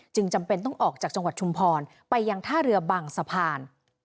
จำเป็นต้องออกจากจังหวัดชุมพรไปยังท่าเรือบางสะพาน